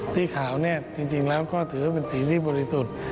สีขาวจริงแล้วก็ถือเป็นสีที่บริสุทธิ์